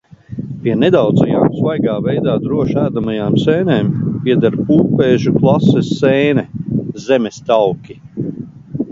Pie nedaudzajām svaigā veidā droši ēdamajām sēnēm pieder pūpēžu klases sēne – zemestauki.